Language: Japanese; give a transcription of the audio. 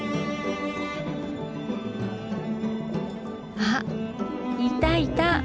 あっいたいた。